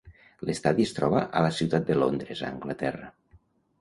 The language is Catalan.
L'estadi es troba a la ciutat de Londres a Anglaterra.